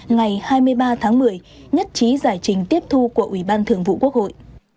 năm trăm chín mươi chín ngày hai mươi ba tháng một mươi nhất trí giải trình tiếp thu của ủy ban thường vụ quốc hội